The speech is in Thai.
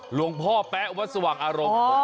หลวงพ่อแป๊วัตสวังอารมณ์โอ้